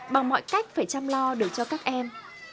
bằng mọi cách phải chăm lo được cho các em